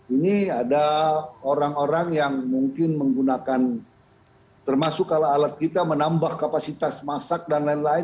ini ada orang orang yang mungkin menggunakan termasuk kalau alat kita menambah kapasitas masak dan lain lain